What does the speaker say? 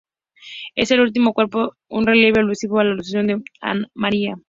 En el último cuerpo, un relieve alusivo a la Asunción de María.